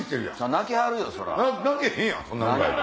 泣けへんそんなぐらいで。